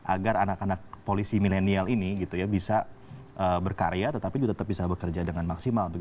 agar anak anak polisi milenial ini bisa berkarya tetapi juga tetap bisa bekerja dengan maksimal